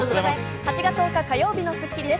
８月１０日、火曜日の『スッキリ』です。